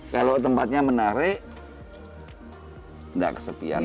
kalau tempatnya menarik nggak kesepian